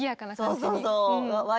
そうそうそう。